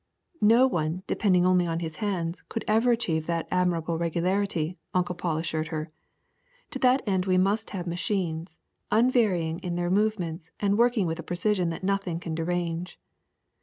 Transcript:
'' ^^No one, depending only on his hands, could ever achieve that admirable regularity,'^ Uncle Paul as sured her. To that end we must have machines, unvarying in their movements and working with a precision that nothing can derange.